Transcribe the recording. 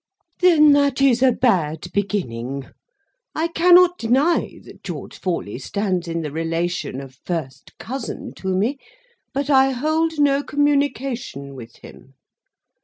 "Then that is a bad beginning. I cannot deny that George Forley stands in the relation of first cousin to me; but I hold no communication with him.